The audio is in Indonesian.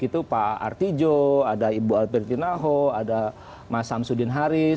itu pak artijo ada ibu albertinaho ada mas samsudin haris